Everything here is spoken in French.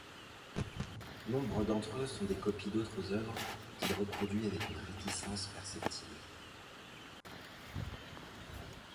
Nombre d'entre eux sont des copies d'autres œuvres qu'il reproduit avec une réticence perceptible.